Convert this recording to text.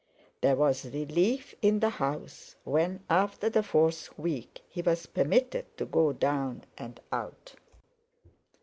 There was relief in the house when, after the fourth week, he was permitted to go down and out.